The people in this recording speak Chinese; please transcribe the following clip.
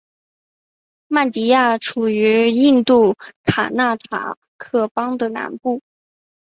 曼迪亚处于印度卡纳塔克邦的南部。